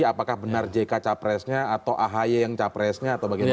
apakah benar jk capresnya atau ahy yang capresnya atau bagaimana